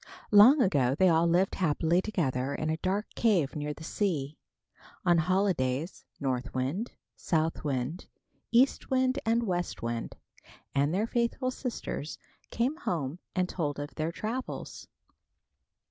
Long ago, they all lived happily together in a dark cave near the sea. On holidays, North Wind, South Wind, East Wind and West Wind and their faithful sisters, came home and told of their travels.